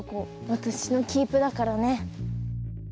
私のキープだからね。